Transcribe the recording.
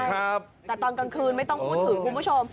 แต่ตอนกลางคืนไม่ต้องพูดถึงคุณผู้ชม